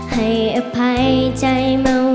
ให้อภัยใจเมา